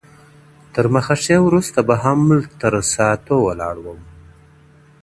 • تر مخه ښې وروسته به هم تر ساعتو ولاړ وم.